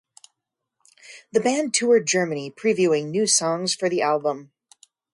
The band toured Germany previewing new songs for the album.